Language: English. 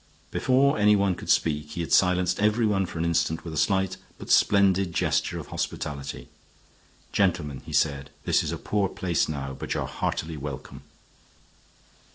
Before anyone could speak he had silenced everyone for an instant with a slight but splendid gesture of hospitality. "Gentlemen," he said, "this is a poor place now, but you are heartily welcome."